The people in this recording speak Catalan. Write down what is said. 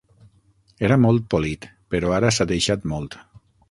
Era molt polit, però ara s'ha deixat molt.